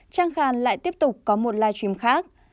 trang khàn lại tiếp tục có mặt